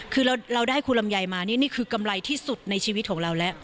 คือเราได้ครูลำไยมานี่นี่คือกำไรที่สุดในชีวิตของเราแล้ว